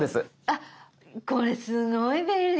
あっこれすごい便利。